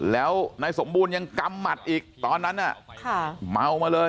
แล้วนายสมบูรณ์ยังกำหมัดอีกตอนนั้นเมามาเลย